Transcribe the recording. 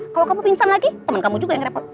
kalau kamu pingsan lagi temen kamu juga yang repot